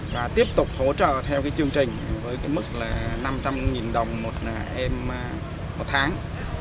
và tiếp tục hỗ trợ theo chương trình với mức năm trăm linh đồng một em một tháng